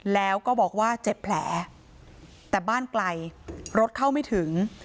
แล้วก็บอกว่าเจ็บแผลแต่บ้านไกลรถเข้าไม่ถึง